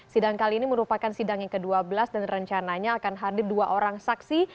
sidang kali ini merupakan sidang yang ke dua belas dan rencananya akan hadir dua orang saksi